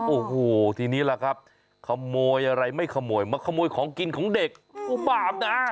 โอ้โหทีนี้ล่ะครับขโมยอะไรไม่ขโมยมาขโมยของกินของเด็กอุบาปนะ